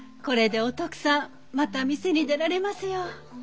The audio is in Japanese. これでお徳さんまた店に出られますよ。